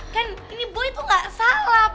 kan ini boy itu nggak salah pak